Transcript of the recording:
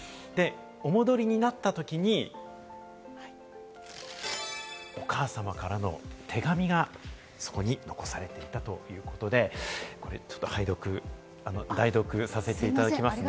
お戻りになったときに、お母様からの手紙がそこに残されていたということで、これ代読させていただきますね。